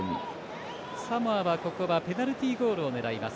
サモアはペナルティゴールを狙います。